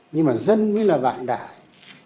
nhưng mà dân mới là vạn đại